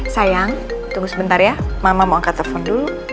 sayang tunggu sebentar ya mama mau angkat telepon dulu